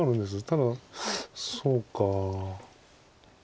ただそうか。